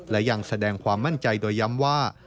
และยังแสดงความมั่นใจโดยย้ำว่า